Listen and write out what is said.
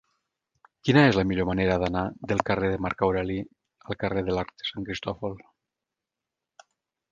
Quina és la millor manera d'anar del carrer de Marc Aureli al carrer de l'Arc de Sant Cristòfol?